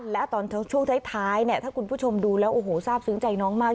และตอนช่วงท้ายเนี่ยถ้าคุณผู้ชมดูแล้วโอ้โหทราบซึ้งใจน้องมาก